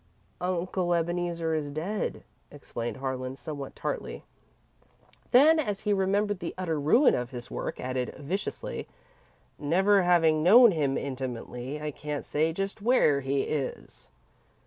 "Uncle Ebeneezer is dead," explained Harlan, somewhat tartly. Then, as he remembered the utter ruin of his work, he added, viciously, "never having known him intimately, I can't say just where he is."